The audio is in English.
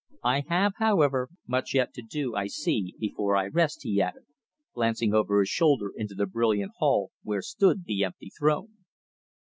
I have, however, much yet to do, I see, before I rest," he added, glancing over his shoulder into the brilliant hall where stood the empty throne.